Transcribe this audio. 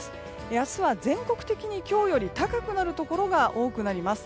明日は全国的に今日より高くなるところが多くなります。